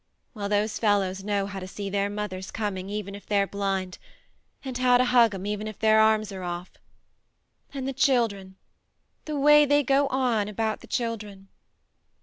Well, those fellows know how to see their mothers coming even if they're blind, and how to hug 'em even if their arms are off. ... And the children the way they go on about the children